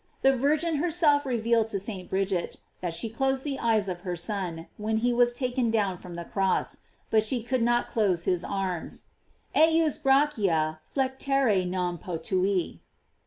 f The Virgin herself revealed to St. Bridget that she closed the eyes of her Son, when he was taken down from the cross, but she could not close his arms: "Ejus brachia flectere non potui."